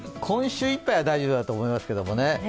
今週いっぱいは大丈夫だと思いますけどね。